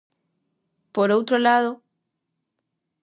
Por outro lado: